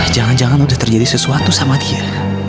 jangan jangan sudah terjadi sesuatu sama dia